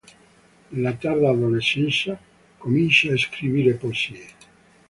Nella tarda adolescenza comincia a scrivere poesie.